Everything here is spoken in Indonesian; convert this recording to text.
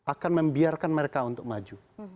akan membiarkan mereka untuk maju